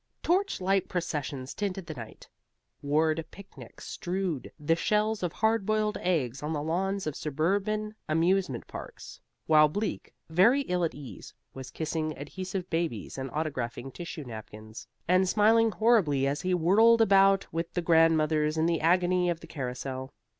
Torchlight processions tinted the night; ward picnics strewed the shells of hard boiled eggs on the lawns of suburban amusement parks, while Bleak, very ill at ease, was kissing adhesive babies and autographing tissue napkins and smiling horribly as he whirled about with the grandmothers in the agony of the carrousel.